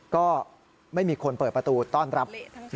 ก็ไม่มีคนเปิดประตูต้อนรับ